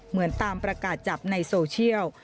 เหมือนตามประกาศจับในโซเชียล